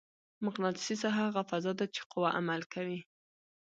مقناطیسي ساحه هغه فضا ده چې قوه عمل کوي.